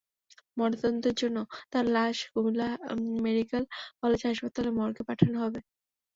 ময়নাতদন্তের জন্য তাঁর লাশ কুমিল্লা মেডিকেল কলেজ হাসপাতালের মর্গে পাঠানো হবে।